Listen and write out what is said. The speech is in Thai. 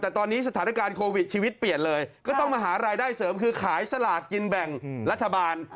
แต่ตอนนี้สถานการณ์โควิดชีวิตเปลี่ยนเลยก็ต้องมาหารายได้เสริมคือขายสลากกินแบ่งรัฐบาล